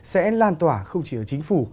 sẽ lan tỏa không chỉ ở chính phủ